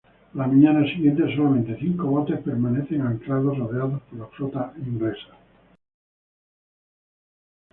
A la mañana siguiente solamente cinco botes permanecen anclados, rodeados por la flota inglesa.